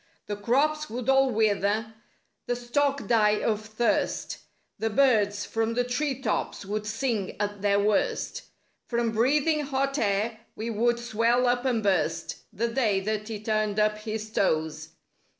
The crops would all wither; the stock die of thirst; The birds from the tree tops would sing at their worst; From breathing hot air we would swell up and burst— The day that he turned up his toes.